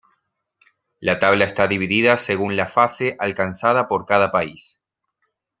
La tabla está dividida según la fase alcanzada por cada país.